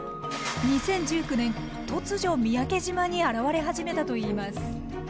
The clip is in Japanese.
２０１９年突如三宅島に現れ始めたといいます。